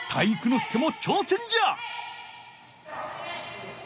介も挑戦じゃ！